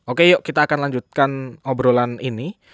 oke yuk kita akan lanjutkan obrolan ini